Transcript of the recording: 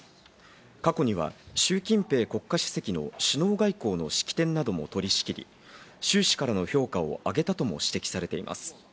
過去にはシュウ・キンペイ国家主席の首脳外交の式典なども取り仕切り、シュウ氏からの評価を上げたとも指摘されています。